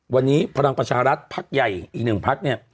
วันนี้พลังปัชฌาลัดฯพักใหญ่อีก๑พักเนี่ย